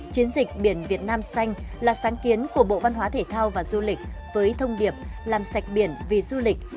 chiến dịch biển việt nam xanh là sáng kiến của bộ văn hóa thể thao và du lịch với thông điệp làm sạch biển vì du lịch